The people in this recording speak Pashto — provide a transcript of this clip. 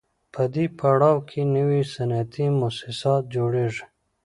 په دې پړاو کې نوي صنعتي موسسات جوړېږي